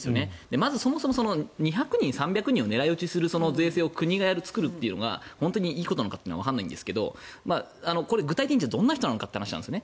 まずそもそも２００人、３００人狙い撃ちする税制を国がやる、作るというのが本当にいいことなのかわからないんですけど具体的にどんな人なのかという話なんですね。